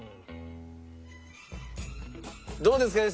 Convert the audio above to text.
どうですか？